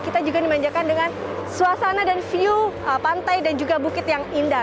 kita juga dimanjakan dengan suasana dan view pantai dan juga bukit yang indah